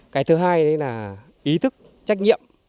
cái thứ hai là ý thức trách nhiệm